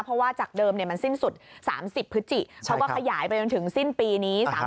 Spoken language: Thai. เพราะว่าจากเดิมมันสิ้นสุด๓๐พฤศจิเขาก็ขยายไปจนถึงสิ้นปีนี้